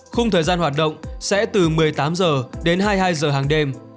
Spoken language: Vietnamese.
khung thời gian hoạt động sẽ từ một mươi tám h đến hai mươi hai h hàng đêm